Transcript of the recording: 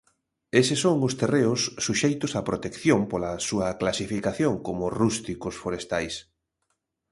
Eses son os terreos suxeitos a protección pola súa clasificación como rústicos forestais.